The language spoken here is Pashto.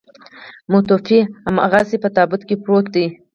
متوفي هماغسې په تابوت کې پروت دی.